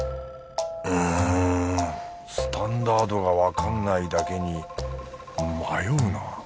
うんスタンダードがわかんないだけに迷うな。